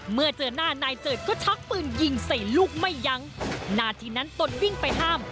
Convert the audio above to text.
เมื่อเจอหน้านายเจิดก็ชักปืนยิงใส่ลูกไม่ยั้งนาทีนั้นตนวิ่งไปห้าม